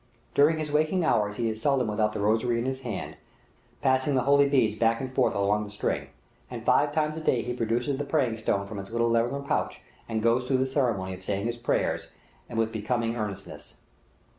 During his waking hours he is seldom without the rosary in his hand, passing the holy beads back and forth along the string; and five times a day he produces the praying stone from its little leathern pouch and goes through the ceremony of saying his prayers, with becoming earnestness.